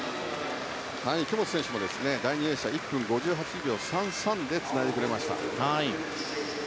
池本選手も第２泳者１分５８秒３３でつないでくれました。